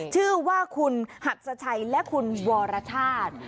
ชื่อว่าคุณหัดสชัยและคุณวรชาติ